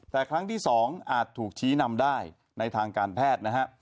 แต่ครั้งที่๒อาจถูกชี้นำได้ในทางการแพทย์นะฮะ